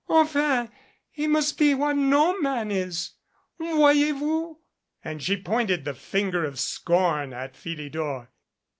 Enfin, he must be what no man is. Voyez vous?" and she pointed the finger of scorn at Philidor.